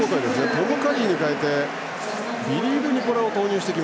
トム・カリーに代えてビリー・ブニポラを投入。